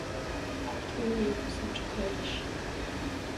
აქტიური იყო საბჭოთა ერაში.